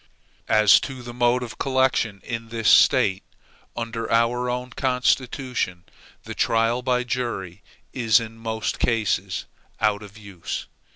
As to the mode of collection in this State, under our own Constitution, the trial by jury is in most cases out of use.